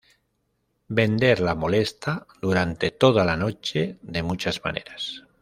Bender la molesta durante toda la noche, de muchas maneras.